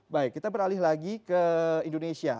baik kita beralih lagi ke indonesia